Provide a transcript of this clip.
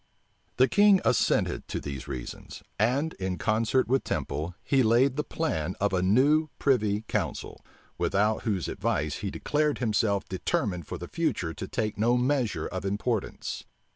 The king assented to these reasons; and, in concert with Temple, he laid the plan of a new privy council, without whose advice he declared himself determined for the future to take no measure of importance.